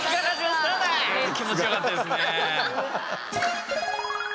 気持ちよかったですね。